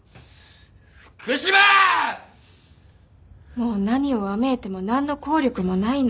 もう何をわめいても何の効力もないの。